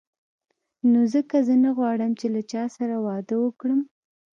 نو ځکه زه نه غواړم چې له چا سره واده وکړم.